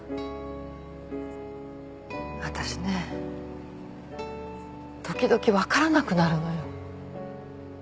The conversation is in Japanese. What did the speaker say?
私ね時々わからなくなるのよ。